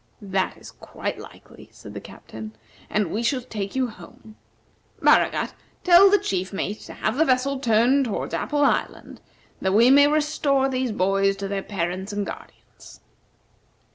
"That is quite likely," said the Captain, "and we shall take you home. Baragat, tell the chief mate to have the vessel turned toward Apple Island, that we may restore these boys to their parents and guardians."